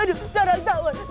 aduh tarang tahun